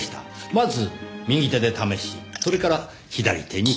まず右手で試しそれから左手に変える。